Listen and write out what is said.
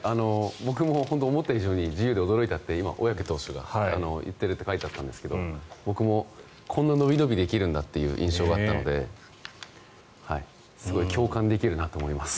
僕も思った以上に自由で驚いたって今、小宅投手が言っているって書いてあったんですが僕もこんな伸び伸びできるんだという印象があったのですごい共感できるなと思います。